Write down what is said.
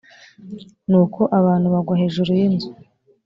nuko abantu bagwa hejuru yinzu